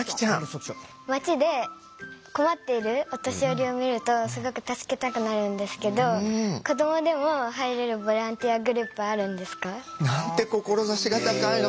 町で困っているお年寄りを見るとすごく助けたくなるんですけど子どもでも入れるボランティアグループはあるんですか？なんて志が高いの！